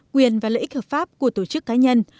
quyền và lợi ích hợp pháp của tổ chức cá nhân